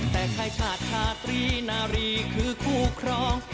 แต่ค่ายชาติชาตรีนารีคือคู่ครอง